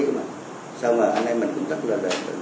xong rồi anh em mình cũng rất là